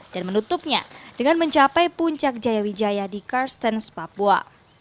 dan menutupnya dengan mencapai puncak jaya wijaya di carstens papua